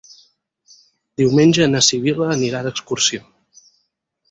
Diumenge na Sibil·la anirà d'excursió.